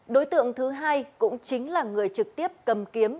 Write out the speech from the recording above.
đối tượng thứ hai cũng chính là người trực tiếp cầm kiếm